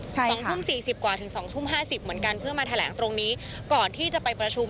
๒ทุ่ม๔๐กว่าถึง๒ทุ่ม๕๐เหมือนกันเพื่อมาแถลงตรงนี้ก่อนที่จะไปประชุม